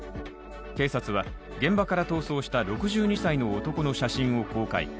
警察は、現場から逃走した６２歳の男の写真を公開。